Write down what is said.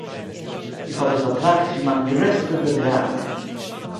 איך האָב עס באַטראַכט ווי מיין גרעסטע דערגרייכונג